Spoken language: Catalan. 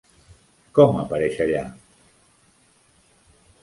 Com apareix allà?